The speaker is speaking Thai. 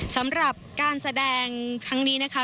สำหรับการแสดงครั้งนี้นะคะ